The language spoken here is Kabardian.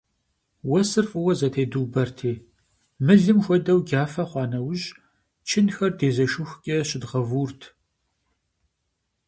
Уэсыр фӀыуэ зэтедубэрти, мылым хуэдэу джафэ хъуа нэужь, чынхэр дезэшыхукӀэ щыдгъэвуурт.